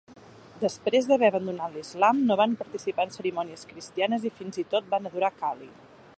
Després d'haver abandonat l'islam, no van participar en cerimònies cristianes i fins i tot van adorar a Kali.